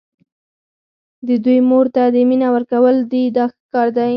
د دوی مور ته دې مینه ورکول دي دا ښه کار دی.